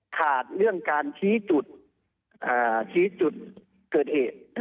ขาดเรื่องการชี้จุดเกิดเหตุ